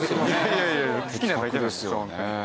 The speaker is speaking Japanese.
いやいやいや好きなだけですよ。